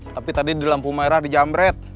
tapi tadi di lampu merah di jam red